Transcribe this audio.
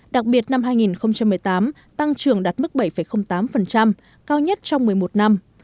đặc biệt năm hai nghìn một mươi tám tăng trưởng đạt mức bảy tám cao nhất trong một mươi một năm